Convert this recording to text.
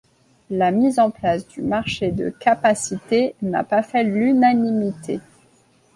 La mise en place du marché de capacité n'a pas fait l'unanimité.